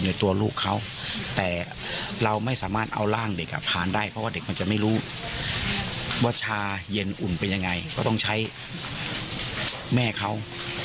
เด็กมันจะไม่รู้ว่าชาเย็นอุ่นเป็นยังไงก็ต้องใช้แม่เขา